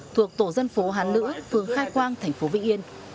thuộc tổ dân phố hán lữ phường khai quang thành phố vĩnh yên